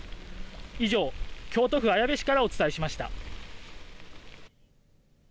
以上、京都府綾部市からお伝えしました。